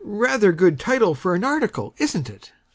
Rather a good title for an article, isnt it?